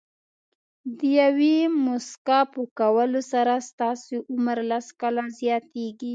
د یوې موسکا په کولو سره ستاسو عمر لس کاله زیاتېږي.